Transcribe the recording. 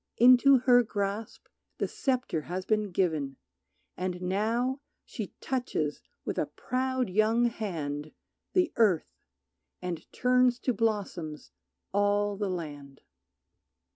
Into her grasp the sceptre has been given And now she touches with a proud young hand The earth, and turns to blossoms all the land.